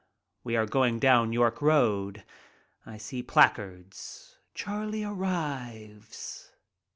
We are going down York Road. I see placards, "Charlie Arrives."